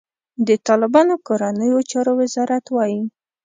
د طالبانو کورنیو چارو وزارت وايي،